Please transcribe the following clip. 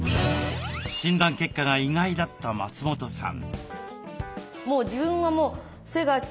診断結果が意外だった松本さん。